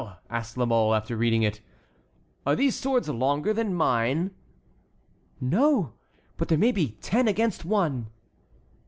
asked La Mole, after reading it, "are these swords longer than mine?" "No, but there may be ten against one."